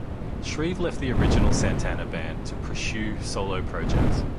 Shrieve left the original Santana band to pursue solo projects.